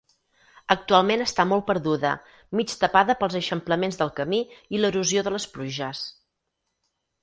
Actualment està molt perduda, mig tapada pels eixamplaments del camí i l'erosió de les pluges.